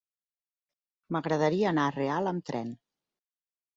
M'agradaria anar a Real amb tren.